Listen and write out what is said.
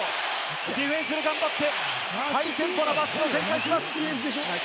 ディフェンスで頑張って、バスケを展開します。